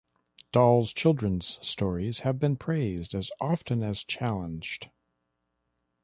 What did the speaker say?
Dahl's children's stories have been praised as often as challenged.